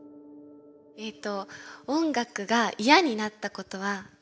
えっと音楽が嫌になったことはありますか？